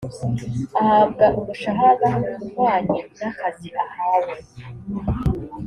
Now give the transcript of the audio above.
ahabwa umushahara uhwanye n’akazi ahawe